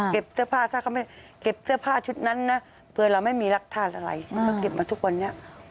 เก็บเสื้อผ้าชุดนั้นเผื่อเราไม่มีรักษาอะไรเขาเก็บมาทุกวันนี้